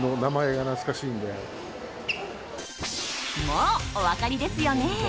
もうお分かりですよね？